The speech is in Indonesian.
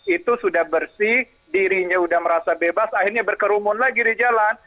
itu sudah bersih dirinya sudah merasa bebas akhirnya berkerumun lagi di jalan